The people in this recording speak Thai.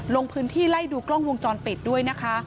ลงพื้นที่ไล่ดูกล้องวงจรปิดด้วยนะคะ